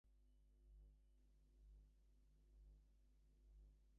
Mayfair is widely known for its association with Irish-American culture.